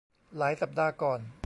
หลายสัปดาห์ก่อน